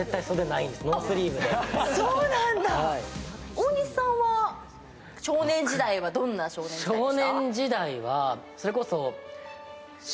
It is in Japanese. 大西さんは少年時代はどんな少年でした？